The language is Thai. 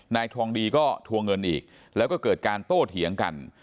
นายทองดีก็ทวงเงินอีกแล้วก็เกิดการโต้เถียงกัน